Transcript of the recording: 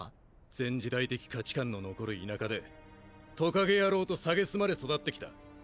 前時代的価値観の残る田舎でトカゲ野郎と蔑まれ育ってきた。